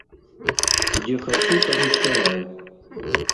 Дзе хачу, там і спяваю.